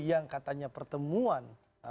yang katanya pertemuan